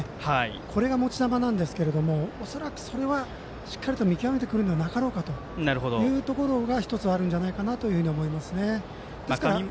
これが持ち球なんですが、恐らくそれはしっかり見極めてくるんじゃなかろうかというのが１つあるんじゃないかというふうに思いますね。